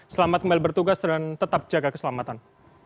selamat kembali bertugas dan tetap jaga keselamatan